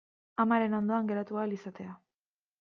Amaren ondoan geratu ahal izatea.